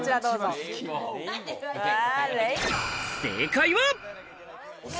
正解は。